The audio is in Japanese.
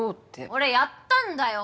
俺やったんだよ！